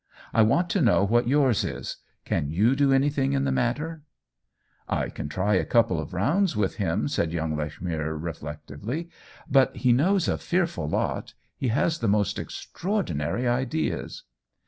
I want to know what yours is. Can you do anything in the matter ?"" I can try a couple of rounds with him," said young Lechmere, reflectively. " But he knows a fearful lot. He has the most ex traordinary ideas."